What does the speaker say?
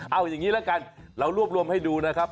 เอาอย่างนี้ละกันเรารวบรวมให้ดูนะครับ